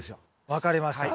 分かりました。